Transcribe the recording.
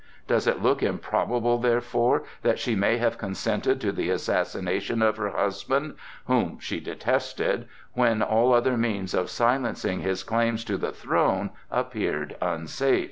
Does it look improbable therefore that she may have consented to the assassination of her husband, whom she detested, when all other means of silencing his claims to the throne appeared unsafe?